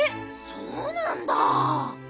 そうなんだあ。